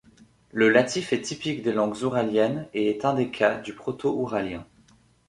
Le latif est typique des langues ouraliennes et est un des cas du proto-ouralien.